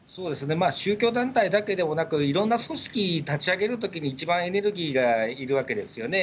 宗教団体だけではなく、いろんな組織立ち上げるときに、一番エネルギーがいるわけですよね。